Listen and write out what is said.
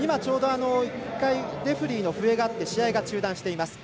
１回、レフェリーの笛があって試合が中断しています。